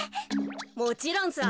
もちろんさ。